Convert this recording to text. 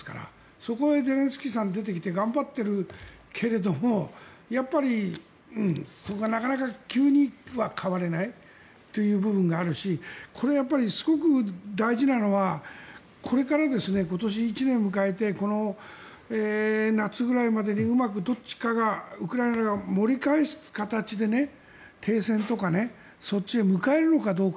そこへゼレンスキーさんが出てきて、頑張っているけれどもやっぱりそこがなかなか、急には変われないという部分があるしこれ、すごく大事なのはこれから今年１年を迎えてこの夏ぐらいまでにうまくどっちかがウクライナが盛り返す形で停戦とかそっちへ迎えるのかどうか。